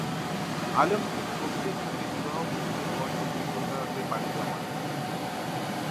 আলমগীর কবিরের সাথে বিবাহ বিচ্ছেদের পর তিনি কলকাতাতে পাড়ি জমান।